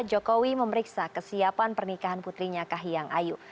jokowi memeriksa kesiapan pernikahan putrinya kahiyang ayu